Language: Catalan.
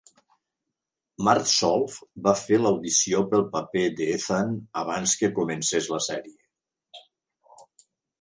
Martsolf va fer l'audició pel paper d'Ethan abans que comencés la sèrie.